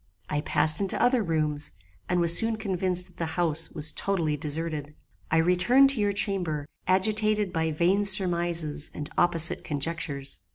I passed into other rooms, and was soon convinced that the house was totally deserted. I returned to your chamber, agitated by vain surmises and opposite conjectures.